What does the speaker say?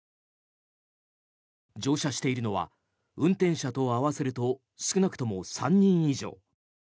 乗車しているのは運転者と合わせると少なくとも３人以上。